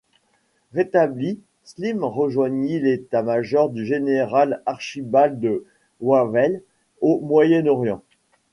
Rétabli, Slim rejoignit l'état-major du général Archibald Wavell au Moyen-Orient.